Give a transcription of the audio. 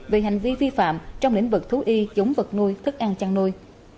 về hành vi vi phạm trong lĩnh vực thú y giống vật nuôi thức ăn chăn nuôi